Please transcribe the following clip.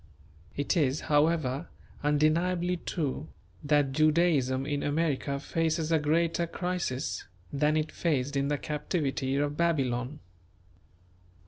It is, however, undeniably true, that Judaism in America faces a greater crisis than it faced in the captivity of Babylon.